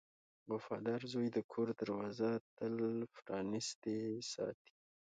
• وفادار زوی د کور دروازه تل پرانستې ساتي.